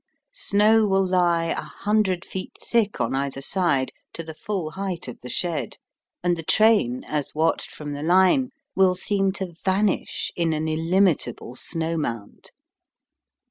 Snow will lie a hundred feet thick on either side, to the full height of the shed, and the train, as watched from the line, will seem to vanish in an illimitable snow mound.